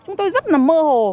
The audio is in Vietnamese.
chúng tôi rất là mơ hồ